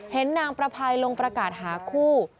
เห็นนางประไพลงประกาศหาคู่